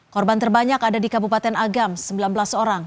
korban terbanyak ada di kabupaten agam sembilan belas orang